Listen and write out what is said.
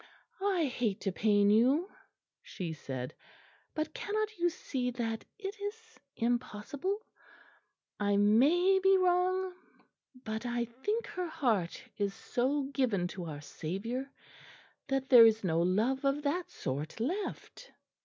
"I hate to pain you," she said, "but cannot you see that it is impossible? I may be wrong; but I think her heart is so given to our Saviour that there is no love of that sort left."